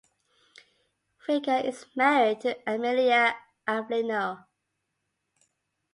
Vega is married to Amelia Avelino.